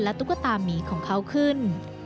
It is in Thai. ตุ๊กตามีของเขาขึ้น